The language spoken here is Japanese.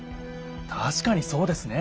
たしかにそうですね。